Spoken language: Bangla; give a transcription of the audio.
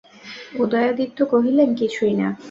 উদয়াদিত্য কহিলেন, কিছুই না।